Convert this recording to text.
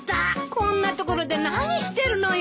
こんな所で何してるのよ！